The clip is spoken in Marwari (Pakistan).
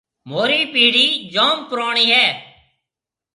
مهورِي پيڙهيَ جوم پُروڻِي هيَ۔